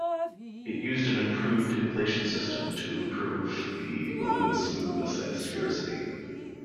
It used an improved inflation system to improve the balloon's smoothness and sphericity.